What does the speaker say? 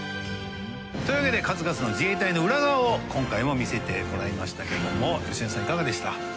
というわけで数々の自衛隊の裏側を今回も見せてもらいましたけども芳根さんいかがでした？